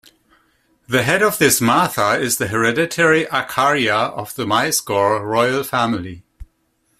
The head of this Matha is the hereditary Acharya of the Mysore Royal Family.